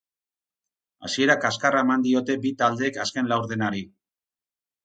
Hasiera kaskarra eman diote bi taldeek azken laurdenari.